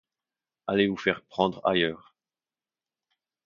Allez vous faire prendre ailleurs !